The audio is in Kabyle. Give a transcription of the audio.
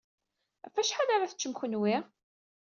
Ɣef wacḥal ara teččem kenwi?